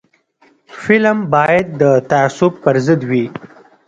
فلم باید د تعصب پر ضد وي